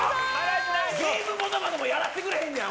ゲームモノマネもやらせてくれへんやん！